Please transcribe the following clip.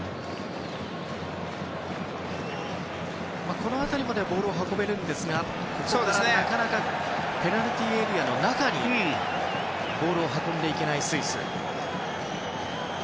この辺りまでボールを運べるんですがここからなかなかペナルティーエリア内にボールを運んでいけないスイス。